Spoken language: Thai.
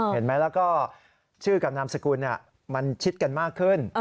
เห็นไหมแล้วก็ชื่อกับนามสกุลมันชิดกันมากขึ้น